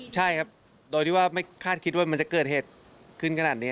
ใช่ครับโดยที่ว่าไม่คาดคิดว่ามันจะเกิดเหตุขึ้นขนาดนี้